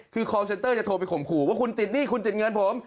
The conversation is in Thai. คือคอลเซนเตอร์จะโทรไปข่มขู่ว่าคุณติดหนี้คุณติดเงินผม